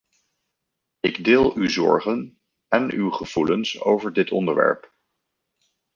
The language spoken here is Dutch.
Ik deel uw zorgen en uw gevoelens over dit onderwerp.